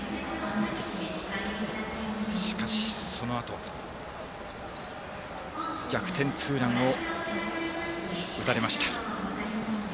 しかし、そのあと逆転ツーランを打たれました。